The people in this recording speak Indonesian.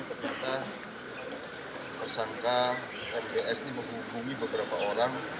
ternyata tersangka mds ini menghubungi beberapa orang